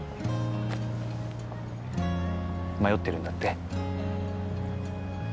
迷ってるんだって？